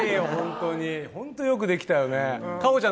ホントよくできたよね。